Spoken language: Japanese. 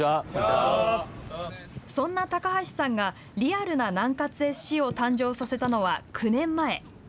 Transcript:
そんな高橋さんがリアルな南葛ＳＣを誕生させたのは９年前。